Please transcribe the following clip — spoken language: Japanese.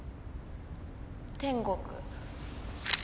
天国。